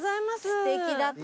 すてきだった。